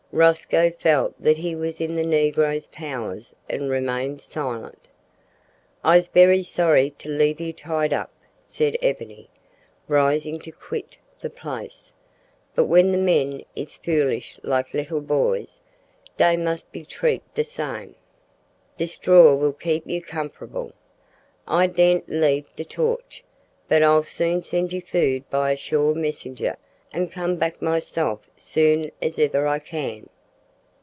Rosco felt that he was in the negro's powers and remained silent. "I's berry sorry to leave you tied up," said Ebony, rising to quit the place, "but when men is foolish like leetil boys, dey must be treat de same. De straw will keep you comf'rable. I daren't leave de torch, but I'll soon send you food by a sure messenger, and come back myself soon as iver I can."